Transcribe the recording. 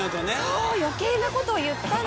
そう余計なことを言ったので。